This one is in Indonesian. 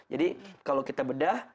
jadi kalau kita bedah